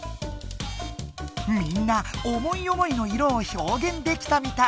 みんな思い思いの色をひょうげんできたみたい。